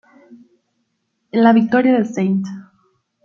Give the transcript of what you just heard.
En la victoria de St.